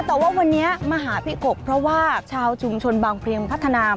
แต่ว่าวันนี้มาหาพี่กบเพราะว่าชาวชุมชนบางเพลียงพัฒนา